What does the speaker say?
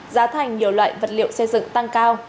giá thành nhiều loại vật liệu xây dựng tăng cao